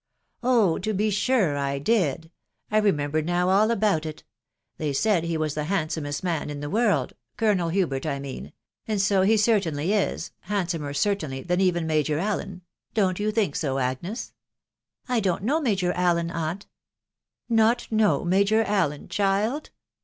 "1 " Oh, to be sure I did f .... I remember now all about it. ... They said he was the handsomest man in the world — Colonel Hubert I mean ...» and so he certainly i» .... handsomer certainly than even Major Allen : don't you think so, Agnes ?€t I don't know Major Allen, aunt." " Not know Major Allen, child